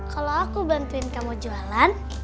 kalau aku bantuin kamu jualan